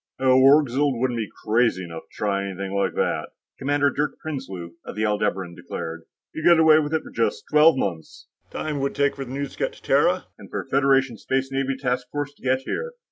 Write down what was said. "Oh, Orgzild wouldn't be crazy enough to try anything like that," Commander Dirk Prinsloo, of the Aldebaran, declared. "He'd get away with it for just twelve months the time it would take to get the news to Terra and for a Federation Space Navy task force to get here.